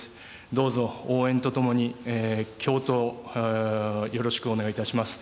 どうぞ応援と共に共闘よろしくお願いいたします。